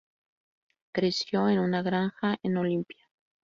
Creció en una granja en Olympia.